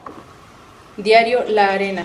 Diario La Arena.